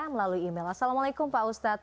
melalui email assalamualaikum pak ustadz